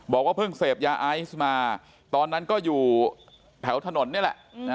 บอกว่าเพิ่งเสพยาไอซ์มาตอนนั้นก็อยู่แถวถนนนี่แหละ